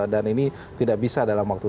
dan ini tidak bisa dalam waktu